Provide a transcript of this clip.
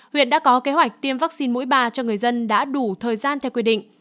huyện đã có kế hoạch tiêm vaccine mũi ba cho người dân đã đủ thời gian theo quy định